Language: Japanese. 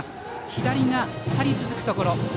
左が２人続くところ。